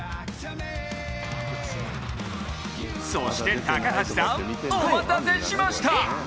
そして高橋さんお待たせしました！